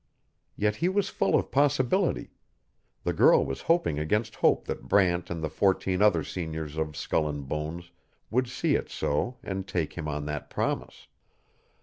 Yet he was full of possibility; the girl was hoping against hope that Brant and the fourteen other seniors of Skull and Bones would see it so and take him on that promise.